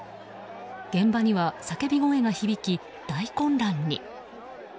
現場には叫び声が響き、大混乱に。